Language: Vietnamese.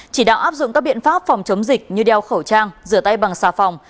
chỉ đạo áp dụng các biện pháp phòng chống dịch như đeo khẩu trang rửa tay bằng xà phòng